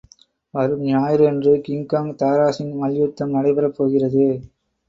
வரும் ஞாயிறு அன்று கிங்காங் தாராசிங் மல்யுத்தம் நடைபெறப்போகிறது.